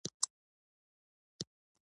سکور، سکارۀ